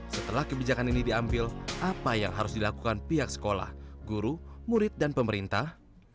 setelah kebijakan ini diambil apa yang harus dilakukan pihak sekolah guru murid dan pemerintah